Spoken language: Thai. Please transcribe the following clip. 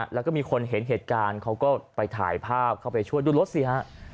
แล้วก็มีคนเห็นเหตุการณ์เขาก็ไปถ่ายภาพเข้าไปช่วยดูรถสิฮะ